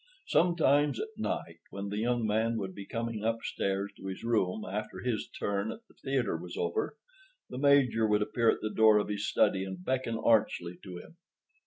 Sometimes, at night, when the young man would be coming upstairs to his room after his turn at the theater was over, the Major would appear at the door of his study and beckon archly to him.